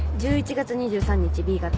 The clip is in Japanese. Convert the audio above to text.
１１月２３日Ｂ型。